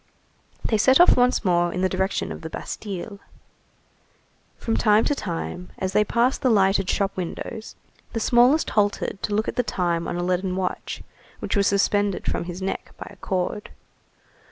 They set off once more in the direction of the Bastille. From time to time, as they passed the lighted shop windows, the smallest halted to look at the time on a leaden watch which was suspended from his neck by a cord.